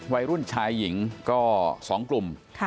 วัยรุ่นชายหญิงก็๒กลุ่ม